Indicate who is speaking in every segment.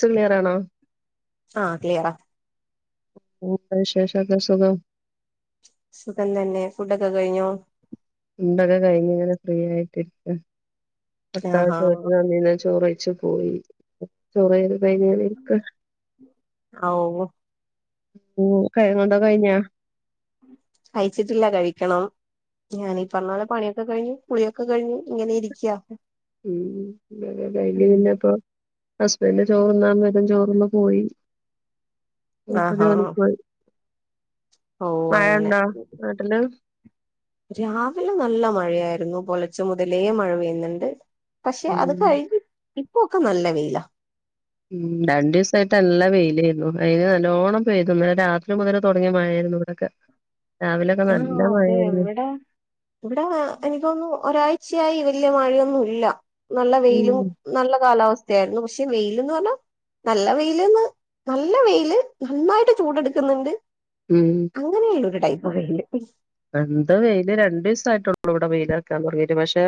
Speaker 1: സ് ക്ലിയറാണോ
Speaker 2: ആഹ ക്ലിയറാ
Speaker 1: [unintelligible] ശേഷക്കെ സുഖം
Speaker 2: സുഖം തന്നെ ഫുഡൊക്കെ കയിഞ്ഞേ
Speaker 1: ഉണ്ടൊക്കെ കഴിഞ്ഞങ്ങനെ ഫ്രീ ആയിട്ടിരിക്ക
Speaker 2: ആഹാ
Speaker 1: പത്താമത്തെ വീട്ട്ന്നീന്ന ചോറ് കഴിച്ചു പോയി [unintelligible] വൈകുന്നേരായിക്കോ
Speaker 2: ഓ
Speaker 1: ഒ [unintelligible] കയിഞ്ഞാ
Speaker 2: കഴിച്ചിട്ടില്ല കഴിക്കണം ഞാനീ പറഞ്ഞ പോലെ പണി യൊക്കെ കഴിഞ് പുളിയൊക്കെഴിഞ് ഇങ്ങനെ ഇരിക്കുക
Speaker 1: ഉം ഇന്നലെ ലൈനിയിൽ നിന്നെപ്പോൊ ഹസ്ബൻഡ ചോർഉണ്ണാൻ വരും ചോർതിന്നു പോയി മൂപ്പര്
Speaker 2: ആഹാ
Speaker 1: ജോലിക്ക് പോയി
Speaker 2: ഓ
Speaker 1: മഴ
Speaker 2: അങ്ങനെ
Speaker 1: ഉണ്ടോ നാട്ടില്
Speaker 2: രാവിലെ നല്ല മഴയായിരുന്നു പുലർ ച്ച മുതലേ മഴ പെയ്യുന്നുണ്ട് പക്ഷെ അത്
Speaker 1: ഉം
Speaker 2: കഴിഞ്ഞി- ഇപ്പൊക്കെ നല്ല വെയിലാ
Speaker 1: രണ്ട് ദിവസായിട്ട് നല്ല വെയിലായിര്ന്ന് വെയില് നല്ലോണ്ണം പെയ്തു ഇന്നലെ രാത്രി മുതലേ തുടങ്ങിയ മഴായിരുന്നു ഇവിടൊക്കെ
Speaker 2: ആ അതെ ഇവിടെ ഇവിടെ എനിക്ക് തോന്നുന്നു ഒരാഴ്ച തീർച്ചയായി വലിയ മഴയൊന്നുമ ഇല്ല നല്ല വെയിലും
Speaker 1: ഉം
Speaker 2: നല്ല കാലാവസ്ഥയായിരുന്നു പക്ഷെ വെയില്ന്ന് പറഞ്ഞാ നല്ലവെയില് നന്നായിട്ട് ചൂടെടുക്കുന്നുണ്ട് അങ്ങനെയാണ് അ [unintelligible]
Speaker 1: എന്ത് വെയില് രണ്ടു ദിവസ ആയിട്ടുള്ളൂ ഇവിടെ വെയിൽറക്കാൻ തുടങ്ങിും പക്ഷെ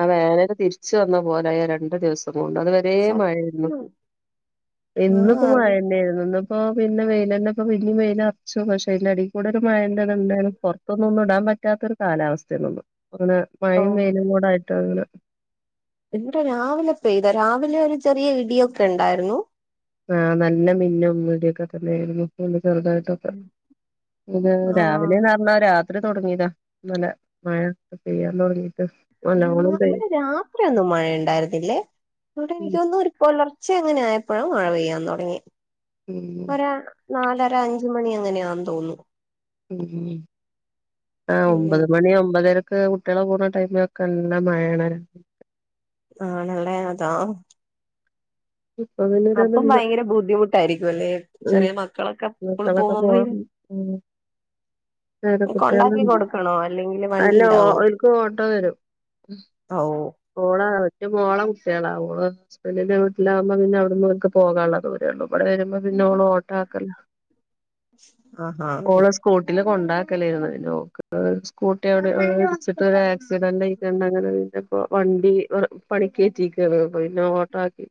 Speaker 1: ആ വേനൽ തിരിച്ച വന്ന പോലെ രണ്ടു ദിവസം പോണൊണ്ട് അത് വരേ മഴായിരുന്നു
Speaker 2: സത്യം
Speaker 1: ഇന്നി
Speaker 2: ആഹ്
Speaker 1: ഇപ്പോ മഴ
Speaker 2: അത്
Speaker 1: തന്നെയായിരുന്നു ഇപ്പൊ പിന്നെ വെയിലന്നപ്പ പിന്ന വെയില അറച്ചു പക്ഷെ അതിന്റെ അടിൽ കൂടെ ഒരു മഴന്തണ്ടാലരുന്നു പുറത്തൊന്ന ഒന്നും ഇടാൻ പറ്റാത്തൊ ഒരു കാലാവസ്ഥയിന്നൊന്നും അങ്ങനെ
Speaker 2: ഓ
Speaker 1: മഴയും വെയിലും കൂട ആയിട്ട് അങ്െ
Speaker 2: എടെ രാവിലെ പെയ്താ രാവിലെ ഒരു ചെറിയ ഇടി ഒക്കെ ഉണ്ടായിരുന്നു
Speaker 1: ആഹ് നല്ല മിന്നുംീടിയൊക്കെ തന്നെയ ആായിരുന്നു ചെറുതായിട്ടൊക്കെ
Speaker 2: ആഹ്
Speaker 1: രാവിലെന്ന് പറഞ്ഞ അത്ര തുടങ്ങിയതാ നല്ല മഴ പെയ്യാൻ തുടങ്ങി
Speaker 2: ഇടെ രാത്രിയ ഒന്നും മഴ ഉണ്ടായിരുന്നില്ലേ അവിടെ
Speaker 1: ഉം
Speaker 2: എനിക്കൊന്നും ഒരു പുലർച്ച അങ്ങനെ ആയപ്പോഴും മഴ പെയ്യാൻ തുടങ്ങി
Speaker 1: ഉം
Speaker 2: നാലര അഞ്ച മണി അങ്ങനെയാന്ന് തോന്നുന്നു
Speaker 1: ഉ ആഹ ഒമ്പത്
Speaker 2: ഉം
Speaker 1: മണി ഒമ്പതര കുട്ടികളെ പോണ ടൈമിലൊക്കെ നല്ല മഴാണ്
Speaker 2: ആണല്ലേ അതാ
Speaker 1: ഇപ്പൊ
Speaker 2: അപ്പം
Speaker 1: പിന്നൊരിതുണ്ട്
Speaker 2: ഭയങ്കര ബുദ്ധിമുട്ട് തരിരിക്ക ഇതുപോലെ
Speaker 1: ഉം
Speaker 2: ചെറിയ മക്കളൊക്കെ ഇ
Speaker 1: മക്കളൊക്കെ
Speaker 2: പോകുമ്പ
Speaker 1: പോവാൻ ഉം നേരെ
Speaker 2: കൊണ്ടാക്കി
Speaker 1: കുട്ടികളുണ്ട്
Speaker 2: കൊടുക്കണോ അല്ലെങ്കില് വണ്ടി
Speaker 1: അല്ല ഓ
Speaker 2: ഉണ്ടാവോ
Speaker 1: ഓൽക്ക് ഓള ഒറ്റ മോള കുട്ടികള ഓള് ഹസ്ബൻഡിന്റെ വീട്ടിലാകുമ്പോ പിന്നെ അവിടുന്ന്ക്ക് പോകാനുള്ള ദൂരേ ഉള്ളൂ ഇവിടെ വരുമ്പോ പിന്നെ ഓള് ഓട്ടോ ആക്കല്ല
Speaker 2: ആഹ ആഹ ഓക്കെ
Speaker 1: ഉണ്ടാക്കലായാര്ന്നു പിന്നെ ഓക്ക് സ്കൂട്ടി അവിടെ അവ് ഇടിച്ചിട്ട് ഒരു ആക്സിഡന്റായിക്കാണ്ടങ്ങനെ പിന്നെ പ്പ വണ്ടി വർ പണിക്ക് എറ്റീക്കാണ് പിന്നെ ഓട്ടാക്കി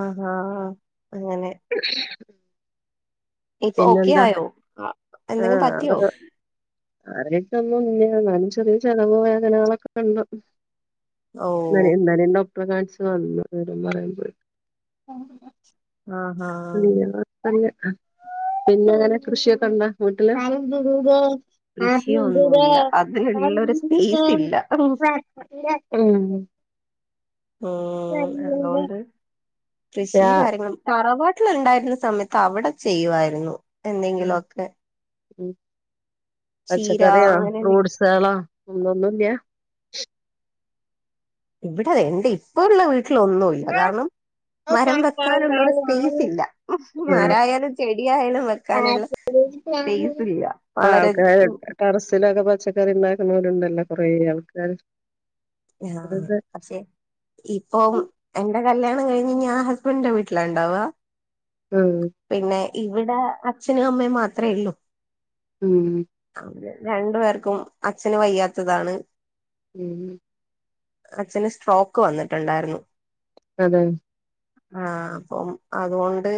Speaker 2: ആഹ് ആഹ അ അങ്ങനെ ഇപ്പൊ ഓക്കെ
Speaker 1: പിന്നെന്താ
Speaker 2: ആയോ അ എന്തെങ്കിലും
Speaker 1: ആഹ്
Speaker 2: പറ്റിയോ
Speaker 1: കാര്യായിട്ടൊന്നും ഇല്ല ന്നാലും ചെറിയ ചതവൊ വേദനകളൊക്കെ ഇണ്ട്.
Speaker 2: ഓ
Speaker 1: നരേ നരേന്ദം ഇപ്പോ കാണ്ച്ച് വന്ന് [unintelligible]
Speaker 2: ആഹ് ഹാ
Speaker 1: പിന്നെ എങ്ങനെ കൃഷിയൊക്കെ ഉണ്ടാ വീട്ടില്?
Speaker 2: കൃഷിയൊന്നുല്ല അതിനുള്ളൊരു സ്പേസ് ഇല്ല ഉം
Speaker 1: ഉം
Speaker 2: ഉം അതോണ്ട് കൃഷി
Speaker 1: രാ
Speaker 2: കാര്യങ്ങളും തറവാ ട്ടിൽ ഇണ്ടായിരുന്ന സമയത്ത് അവിടെ ചെയ്യുവായിരുന്നു എന്തെങ്കിലൊക്കെ.
Speaker 1: ഉം പച്ചക്കറിയോ
Speaker 2: അങ്ങനെ എന്തെങ്കിലും
Speaker 1: ഫ്രൂട്സ്കളോ? ഉം ഒന്നുല്ല്യാ.
Speaker 2: ഇവിട എന്റെ ഇപ്പോ ഉള്ള വീ ട്ടിലൊന്നുല്ല കാരണം മരം വെക്കാനുള്ളൊരു സ്പേസ് ഇല്ല മരായാലും ചെ സ്പേസ് ഇല്ല
Speaker 1: ഇപ്പ
Speaker 2: വളരെ
Speaker 1: ആൾക്കാരൊക്കെ ടെറസിലൊക്കെ പ ച്ചക്കറി ഉണ്ടാക്കുന്നവരുണ്ടല്ലോ കൊറേ ആൾക്കാര്.
Speaker 2: ആ
Speaker 1: അതൊക്കെ
Speaker 2: പക്ഷേ ഇപ്പോ എന്റെ കല്യാണം കഴിഞ്ഞ് ഞാൻ ഹസ്ബന്റിന്റെ വീട്ടിലിണ്ടാവാ
Speaker 1: ആ
Speaker 2: ഇവിടെ അച്ഛനും അമ്മേയും മാത്രേള്ളൂ
Speaker 1: ഉം
Speaker 2: രണ്ട് പേർക്കും അച്ഛന് വയ്യാത്തതാണ്
Speaker 1: ഉം
Speaker 2: അച്ഛന് സ്ട്രോക്ക് വന്നിട്ട്ണ്ടായിര്ന്നു
Speaker 1: അതെ
Speaker 2: ആ അപ്പംഅതോണ്ട്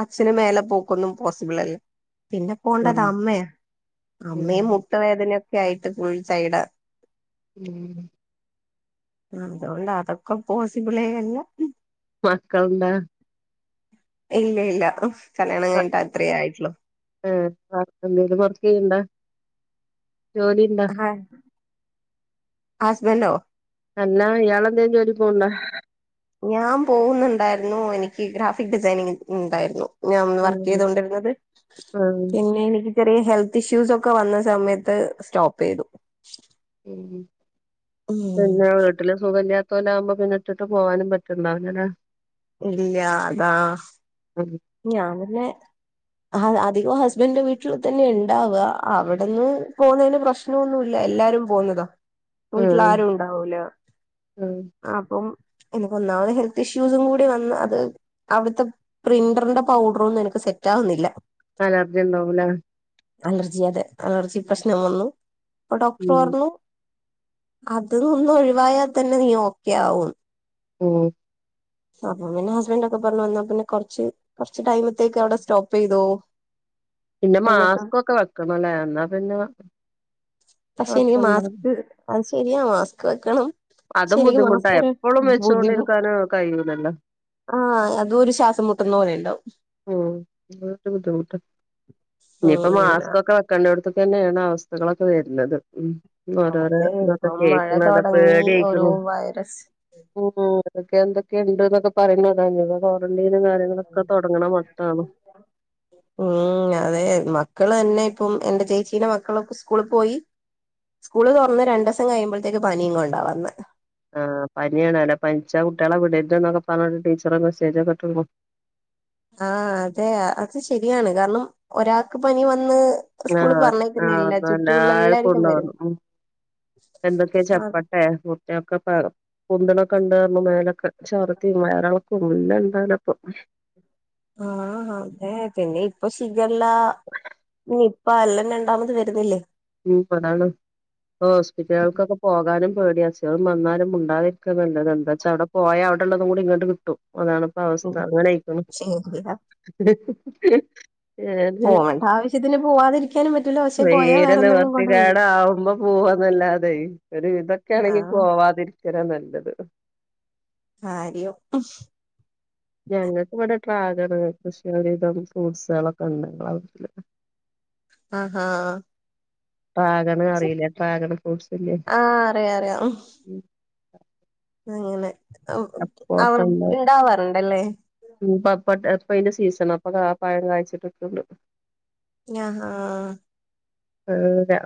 Speaker 2: അച്ഛന് മേലെ പോക്കൊന്നും പോസിബിൾ അല് പിന്നെ
Speaker 1: ഉം
Speaker 2: പോണ്ടത് അമ്മയാ
Speaker 1: ഉം
Speaker 2: അമ്മയും മുട്ടുവേദനയൊ ക്കെ ആയിട്ട് ഫുൾ ടയേഡാ
Speaker 1: ഉം
Speaker 2: അതോണ്ട് അതൊക്ക പോസിബിളെ അല്ല
Speaker 1: മക്കൾണ്ടൊ
Speaker 2: ഇല്ല ഇല്ല കല്യാണം
Speaker 1: അ
Speaker 2: കഴിഞ്ഞിട്ട് അത്രേ ആയിട്ടുള്ളൂ
Speaker 1: ഏ വർക്ക്‌ എന്തെലും കൊറ ചെയ്യ്ണ്ടോ ജോലി ണ്ടോ
Speaker 2: ഹസ്ബന്റോ
Speaker 1: അല്ലാ ഇയാളെന്തെ ജോലി പോവ്ണ്ടോ
Speaker 2: ഞാൻ പോവുന്നുണ്ടായിരുന്നു എനിക്ക് ഗ്രാഫിക് ഡിസൈനിങ് ഇണ്ടായിരുന്നു ഞാൻ അന്ന്
Speaker 1: ആഹ്
Speaker 2: വർക്കെയ്ത് കൊണ്ടിര്ന്നത്
Speaker 1: ആഹ്
Speaker 2: പിന്നെ എനിക്ക് ചെറിയ ഹെൽത്ത് ഇഷ്യൂസ് ഒക്കെ വന്ന സമയത്ത് സ്റ്റോപ്പ് ചെയ്തു
Speaker 1: ഉം
Speaker 2: ഉം
Speaker 1: പിന്നെ വീട്ടില് സുഖല്ല ല ആകുമ്പോ പിന്നിട്ടിട്ട് പോവാനും പറ്റണ്ടാവ് ലല്ലെ
Speaker 2: ഇല്ല അതാ
Speaker 1: ഉം
Speaker 2: ഞാൻ പിന്നെ അധികം ഹസ്ബൻഡന്റെ വീട്ടിൽ തന്നെ ഇണ്ടാവ അവിടന്ന് പോകുന്നതിന് പ്രശ്നമൊന്നുല്ല എല്ലാരും പോന്നതാ വീട്ടിൽ
Speaker 1: ആഹ്
Speaker 2: ആരും ഉണ്ടാവൂല
Speaker 1: ആഹ്
Speaker 2: അപ്പം എനക്ക് ഒന്നാമത് ഹെൽത്ത് ഇഷ്യൂസും കൂടി വന്ന് അത് അവിടുത്തെ പ്രന്റ് റിന്റെ പൗഡറ ഒന്നുംനിക്ക് സെറ്റാകുന്നില്ല
Speaker 1: അലർജിണ്ടാവുംലെ
Speaker 2: അലർജി അതെ അലർജി പ്രശ്നം വന്നു അപ്പൊ ഡോക്ടർ
Speaker 1: ഉം
Speaker 2: പറഞ്ഞു അതൊന്നൊഴിവായാല് തന്നെ നീ ഓക്കെയാവും ന്ന്
Speaker 1: ഉം
Speaker 2: അപ്പൊ പിന്നെ ഹസ്ബന്റൊക്കെ പറഞ്ഞു എന്ന പിന്നെ കൊറച്ച് കൊറച്ച് ടൈമത്തേക്ക് അവിടെ സ്റ്റോപ്പ് ചെയ്തോ
Speaker 1: പിന്നെ
Speaker 2: എന്നിട്ട്
Speaker 1: മാസ്കൊക്കെ വെക്കണം ല്ലേ എന്നാ പിന്നെ
Speaker 2: പക്ഷെ ഇനി
Speaker 1: കൊഴപ്പണ്ടാ
Speaker 2: മാസ്ക് ശെരിയാ മാസ്ക് വെക്കണം പക്ഷെ
Speaker 1: അതും
Speaker 2: എനിക്ക്
Speaker 1: ബുദ്ധിമുട്ടാ
Speaker 2: മാസ്ക്കൊര്
Speaker 1: എപ്പളും
Speaker 2: ബുദ്ധിമു
Speaker 1: വെച്ചോണ്ടിരിക്കാന് കഴിയൂലല്ലോ
Speaker 2: ആഹ അതും ഒരു ശ്വാസം മുട്ടുന്ന പോലെന്ന
Speaker 1: ഉം തൊക്കെ ബുദ്ധിമുട്ട ഇനിയിപ്പോ
Speaker 2: ഉം
Speaker 1: മാസ്കൊക്കെ വെക്കണ്ടോട്ത്ത് തന്നെണ് അവസ്ഥകളൊക്കെ വര്ണത് ഉം
Speaker 2: അതെ
Speaker 1: ഓരോരോതൊക്ക
Speaker 2: ഇപ്പം മഴ
Speaker 1: കേക്കണത
Speaker 2: തുടങ്ങി ഓരോ
Speaker 1: പേട്യയ്ക്ക്ണ്
Speaker 2: വൈറസ്
Speaker 1: ക്കെ ന്തൊക്കെ ണ്ട്ന്നൊക്കെ പറയ്ണത കാര്യങ്ങളൊക്കെ [unintelligible] മട്ടാണ്
Speaker 2: ഉം അതെ മ മക്കള് തന്നെ ഇപ്പം എന്റെ ചേച്ചീെ മക്കളൊക്കെ സ്കൂളിൽ പോയി സ്കൂള് തുറന്ന് രണ്ടിവസം കഴിയുമ്പോഴത്തേക്ക് പനിയും കൊണ്ടാവാന്ന്
Speaker 1: ആ പനിയാണ അല്ലേ പനിച്ച കുട്ടികളെ വിടണ്ട എന്നൊക്കെ പറഞ്ഞട്ട് ടീച്ചറെ മെസ്സേജൊക്കെിട്ടണ്
Speaker 2: ആഅതെ അത് ശരിയാണ് കാരണം ഒരാൾക്ക് പനി വന്ന്
Speaker 1: ആ
Speaker 2: സ്കൂളിൽ
Speaker 1: ആ
Speaker 2: പറഞ്ഞേക്കുന്നില്ല
Speaker 1: എല്ല
Speaker 2: ചുറ്റുമുള്ള എല്ലാർക്കും
Speaker 1: കൂള്ളു
Speaker 2: വരും
Speaker 1: ഉ എന്തൊക്കെയാ
Speaker 2: ആഹ്
Speaker 1: ചപ്പട്ടെ കുത്തിയൊക്കെക പൊന്തുണകണ്ട മേലൊക്കെ ചർത്തിയും വയറിളക്കും എല്ലാഇണ്ട് ഓലപ്പം
Speaker 2: ആ അതെ പിന്നെ ഇപ്പൊ സുഖല്ല നി അപ്പൊ അല്ലാം രണ്ടാമത് വരുന്നില്ലേ
Speaker 1: ഉ അതാണ് ഹോസ്പിറ്റലുകൾക്കൊക്കെ പോകാനും പേടി അസുഖം വന്നാലും മൂ ണ്ടാതിരിക്കാ നല്ലത് എന്താ വച്ചാ അവിടെ പോയാ അവിടെള്ളത കൂടി ഇങ്ങട്ട് കിട്ടും അതാണപ്പ അവസ്ഥ
Speaker 2: ഉം
Speaker 1: അങ്ങനെയിക്കുന്നു
Speaker 2: ശരിയാ പോവണ്ട ആവശ്യത്തിന് പോവാതിരിക്കാനും പറ്റില്ല പക്ഷേ പോയാ വേറെ
Speaker 1: നിവൃത്തികേടാവുമ്പോ പോവന്നല്ലാതെ ഒരു വിതൊക്കൊണെങ്കി
Speaker 2: ആഹ്
Speaker 1: പോവാതിരിക്ക രാ നല്ലത്
Speaker 2: ആ അരിയോ
Speaker 1: ഞങ്ങൾക്ക് ഇവിടെ ഡ്രാഗൺ കൃഷി ഒരു വിധം ഫ്രൂട്ട്സളോക്കെണ്ട് ഞങ്ങളെ വീട്ടില്
Speaker 2: ആ ആഹ
Speaker 1: ഡ്രാഗൺ അറീലേ ഡ്രാഗൺ ഫ്രൂട്ട്സില്ലേ
Speaker 2: ആഹ് അറിയാം അറിയാം അങ്ങനെ
Speaker 1: സപ്പോട്ട
Speaker 2: അവർ
Speaker 1: ഉണ്ട്
Speaker 2: ഉണ്ടാവാറുണ്ടല്ലേ
Speaker 1: ഇപ്പ ഇപ്പ അയി ന്റെ സീസൺ അപ്പൊ പായം കഴച്ചിട്ടൊക്കെ ഉള്ളു
Speaker 2: ആഹ ആഹ
Speaker 1: ഏ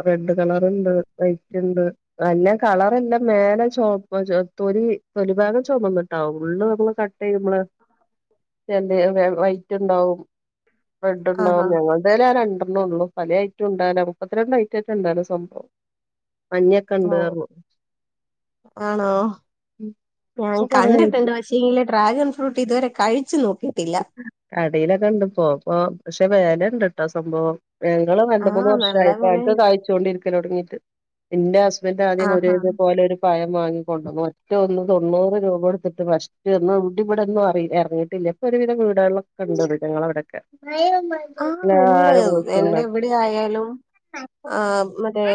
Speaker 1: റെഡ് കളർണ്ട് വൈറ്റ് ഇണ്ട് നല്ല കളർല്ലാം മേലെ ചോപ്പ് തൊലി തൊലി ഭാഗം ചുമന്നിട്ടാവും ഉള്ള് നമ്മള് കട്ട് ചെയ്യുമ്പള് നമ്മള് ചെ വൈറ്റ് ഉണ്ടാവും റെഡ് ഉണ്ടാവും
Speaker 2: ആഹാ
Speaker 1: ഞങ്ങൾ തേൽ ര പലായിട്ട് ഉണ്ട മുപ്പത്തിരണ്ട് ഐറ്റായിട്ട് ഇണ്ടവിടെ സ്വന്തം
Speaker 2: ആണോ ഞാൻ
Speaker 1: ഇപ്പൊ കൊറേ ആയിട്ട്
Speaker 2: കണ്ടിട്ടുണ്ട് പക്ഷേ ഈലെ ഡ്രാഗൺ ഫ്രൂട്ട് ഇതുവരെ കഴിച്ചു നോക്കി
Speaker 1: കടയിലൊ ക്കണ്ട് പ്പൊപ്പൊ പക്ഷെ വെല ഇണ്ട്ട്ടോ സംഭവം ഞങ്ങള് രണ്ട മൂന്ന്
Speaker 2: ആഹ് നല്ല
Speaker 1: വർഷായി ആപ്പോ ഞങ്ങൾക്ക്
Speaker 2: വെലയാണ്
Speaker 1: കായ്ച്ചുകൊണ്ടിരിക്ക തൊടങ്ങീട്ട് ഇന്റെ ഹസ്ബൻ ആദ്യം ഒരു
Speaker 2: ആഹാ
Speaker 1: ഇതുപൊലെ ഒരു പയം വാങ്ങിക്കൊണ്ടോന്നു ഒറ്റ ഒന്നും തൊണൂറ് രൂപ കൊടുത്തിട്ട് പസ്റ്റ് ഒന്നും ഇവിടി ഇവിടെന്നും അറി അര റങ്ങിട്ടില്ലേ ഒരുവിധ വീടുകൾലോക്കെ ഉണ്ട് ഞങ്ങളവിടെക്കെ
Speaker 2: ആഹ് ഇണ്ട് എന്റെ ഇവിടെ ആയാലും ആ മറ്റേ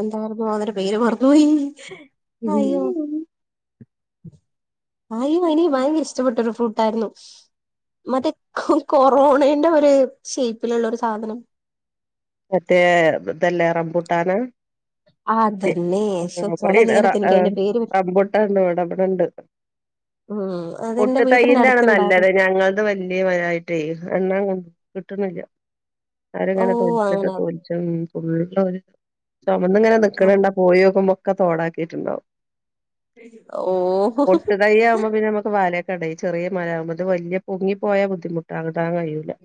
Speaker 2: എന്തായിരുന്നു അതിന്റെ പേര് മറന്നോയി
Speaker 1: ഉം
Speaker 2: ആയി അനിയും ഭയങ്കര ഇഷ്ടപ്പെട്ടൊരു ഫ്രൂട്ടായിരുന്നു മറ്റേ കൊറോണന്റെ ഒരു ഷേപ്പിലുള്ളരു സാധനം
Speaker 1: മറ്റേ ഇതെല്ലേ രംബൂട്ടാന [unintelligible]
Speaker 2: അതന്നെ ശോ
Speaker 1: അവിടെ
Speaker 2: ചെല നേരത്ത് എനിക്ക് അതിന്റെ പേര്
Speaker 1: റമ്പുട്ടാണ്ട് ഇവിടെ അവിടെണ്ട്
Speaker 2: ഉം അതെന്റെ
Speaker 1: പുട്ട്
Speaker 2: വീട്ടിന്റെ
Speaker 1: തയ്യന്റൊണ് നല്ലത്
Speaker 2: അടുത്തുണ്ടായിരുന്നു
Speaker 1: ഞങ്ങളത് വലിയ മാരായിട്ടേ യിട്ട എണ് കൊ കിട്ട്ണില്ല
Speaker 2: ഓ
Speaker 1: [unintelligible]
Speaker 2: അങ്ങനെ
Speaker 1: [unintelligible] ചുമന്ന്ങ്ങനെ
Speaker 2: ഓ
Speaker 1: നിക്ക്ണണ്ട പോയി നോക്കുമ്പോ ഒക്കെ തോടാക്കിട്ട്ണ്ടാവും
Speaker 2: ഓ
Speaker 1: ഒട്ട് തൈ ആവുമ്പോ പിന്നെ നമുക്ക് വല കടയി ചെറിയ മരം ആകുമ്പോ വലിയ പൊങ്ങി പോയാ ബുദ്ധിമുട്ടാകാ [unintelligible]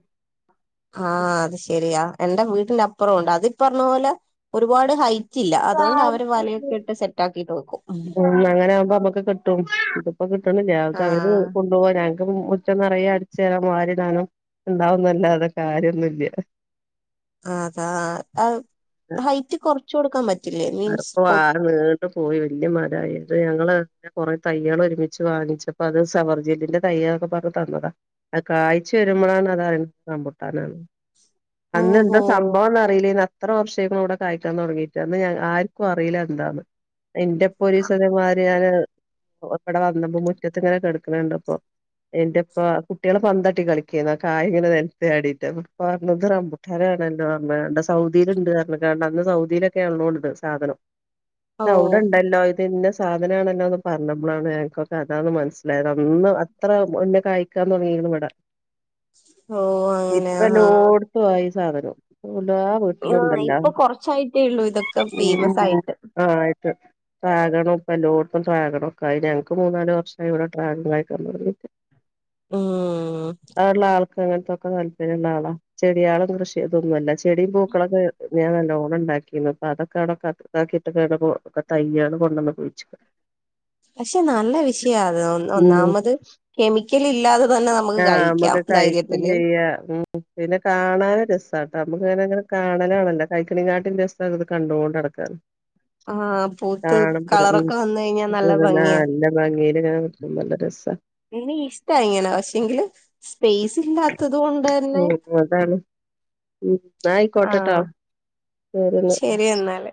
Speaker 2: ആ അത് ശെരിയാ എന്റെ വീ അപ്പുറം ഉണ്ട് അത് ഇപ്പറഞ്ഞപോലെ ഒരുപാട് ഹൈ റ്റില്ല അതുകൊണ്ട് അവര് വലയൊക്കെ ഇട്ട് സെറ്റ് ആാക്കിട്ട് വെക്കും
Speaker 1: ഉം അങ്ങനെ ആകുമ്പോ നമ്മക്ക് കിട്ടും ഇതിപ്പോ കിട്ട്ണില്ല അക്കെ അവര്
Speaker 2: ആഹ്
Speaker 1: കൊണ്ടുവ [unintelligible] മുറ്റം നറയെ അടിച്ചു വാരി കളയണം ഉണ്ടാവും ന്നല്ലാതെ കാര്യം ഒന്നുല്ല
Speaker 2: അഹ് ആ അ ഹൈറ്റ് കൊറ ച്ചു കൊടുക്കാൻ പ
Speaker 1: തണുപ്പ് [unintelligible] വല്യ മരായിട്ട് ഞങ്ങളെ [unintelligible] കുറേ തെയ്യള് ഒരുമിച്ച് വാങ്ങിച്ചപ്പ അത് സവർജലിന്റെ തയാന്ന് പറഞ്ഞു തന്നതാ അത് കായ്ച് വരുമ്പോഴാണ് അറി റമ്പുട്ടാനാണ് അന്ന് എന്താ
Speaker 2: ഓഹോ
Speaker 1: സംഭവംന്ന് അറിയില്ലേ എത്ര വർഷായി ഇവിടെ കായ്ക്കാൻ തുടങ്ങിയിട്ടാ അന്ന് ഞങ്ങ ആർക്കും അറിയില്ല എന്താന്ന്. ഇന്റെ ഇപ്പ ഒരീസം ഇതെ മാരി ഞാന് ഇവിടെ വന്ന്പ മുറ്റത്ത് ഇങ്ങനെ കെടക്കണ കണ്ടപ്പോ എന്റുപ്പ കുട്ടികളെ പന്തട്ടി കളിക്കന്ന കായ ഇങ്ങനെ നിലത്തു ചാടിയിട്ട് അപ്പൊ ഇപ്പ പറഞ്ഞു ഇത് റമ്പുട്ടാനാണല്ലോ എന്ന് പറഞ്ഞു. ഇവിടെ സൗദിയിലുണ്ട് ന്ന് പറഞ്ഞു ങ്ങാണ്ട് അന്ന് സൗദിയിലൊക്കെയാണല്ലോ ഉള്ളത്. സാധനം
Speaker 2: ഓ
Speaker 1: അവിടെ ഇണ്ടല്ലോ ഇത് ന്ന സ്ഥ സാധനണല്ലോന്ന് പറഞ്ഞപ്പോളാണ് നക്കൊക്കെ അതാന്ന് മനസ്സിലായത് അന്ന് അത്ര മുന്ന കായ്ക്കാന്ന് തുടങ്ങീക്കണ് ഇവിടെ
Speaker 2: ഓ അങ്ങനെ ആഹ്
Speaker 1: ഇപ്പല്ലോടത്തും ആയി. സാധനം എല്ലാ വീട്ടിലും
Speaker 2: ആഹ് ഇപ്പൊ കൊറച്ചായിട്ടേ ഉള്ളൂ ഇതൊക്കെ.
Speaker 1: ഉ ഉ
Speaker 2: ഫേമസ്
Speaker 1: ഉ
Speaker 2: ആയിട്ട്
Speaker 1: ആഹ്. [unintelligible] ട്രാഗണും ഇപ്പ ലോടത്തും ട്രാഗണൊക്കെ ആയി ഞങ്ങക്ക് മൂന്നാല് വർഷമായി ഇവിടെ ട്രാഗണ് ആയി ക തുടങ്ങീട്ട്
Speaker 2: മ്
Speaker 1: അങ്ങനത്തെൊക്കെ താല്പര്യള്ള ആളാ ചെടിയളും കൃഷി ഇതൊന്നുല്ല ഇഷ് ചെടിയും പൂക്കളൊക്കെ ഞാൻ നല്ലോ ഉണ്ടക്കുന്നു. അപ്പ അതൊക്കെ അവടെ [unintelligible] അവിടെപ്പോ തയ്യാണ്‌ കൊണ്ടന്ന കുയിച്ചിട.
Speaker 2: പക്ഷെ നല്ല വിഷയ അത്
Speaker 1: ഉം
Speaker 2: ഒന്നാമത് കെമിക്കൽ ഇല്ലാതെ തന്നെ നമുക്ക്
Speaker 1: ആഹ് നമ്മുക്ക്
Speaker 2: കഴിക്കാം
Speaker 1: കഴിക്കും
Speaker 2: ധൈര്യത്തില്.
Speaker 1: ചെയ്യാ [unintelligible] നമുക്ക് അങ്ങനെങ്ങനെ കാണാനാണല്ല കൈക്കണിങ്ങാട്ടി രസം ഞാനത് കണ്ടോണ്ട് കെടക്കാണ്
Speaker 2: ആ പൂത്ത്
Speaker 1: ഉം
Speaker 2: കളറൊക്കെ വന്ന് കഴിഞ്ഞാ നല്ല ഭംഗിയാ
Speaker 1: നല്ല ഭംഗിയില് ഇങ്ങനെ നിക്കുമ്പോ നല്ല രസാ
Speaker 2: ഇ ഇഷ്ട ഇങ്ങനെ പക്ഷെങ്കില് സ്പേസ് ഇല്ലാത്തത് കൊണ്ട് ന്നെ
Speaker 1: ഉം അതാണ് ഉം ന്നാ
Speaker 2: ആ
Speaker 1: ആയിക്കോട്ടെട്ടോ
Speaker 2: ശരി എന്നാല്.